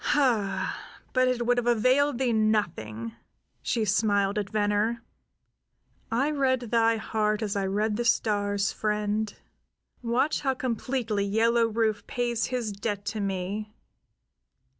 "Hah, but it would have availed thee nothing!" she smiled at Venner. "I read thy heart as I read the stars, friend. Watch how completely Yellow Rufe pays his debt to me.